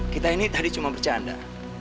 kita ini tadi cuma bercanda